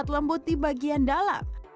lembut di bagian dalam